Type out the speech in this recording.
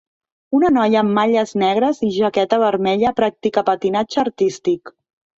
Una noia amb malles negres i jaqueta vermella practica patinatge artístic.